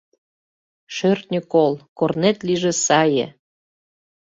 «Шӧртньӧ кол, корнет лийже сае!